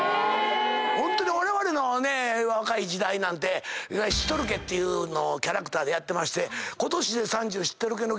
ホントにわれわれの若い時代なんて知っとるケっていうのをキャラクターでやってまして。